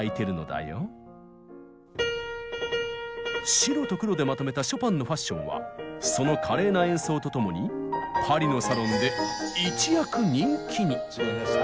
白と黒でまとめたショパンのファッションはその華麗な演奏と共にパリのサロンで一躍人気に。